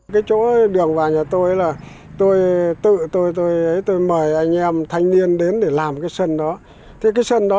cái chỗ đường vào nhà tôi là tôi tự tôi mời anh em thanh niên đến để làm cái sân đó thế cái sân đó